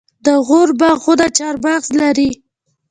د غور باغونه چهارمغز لري.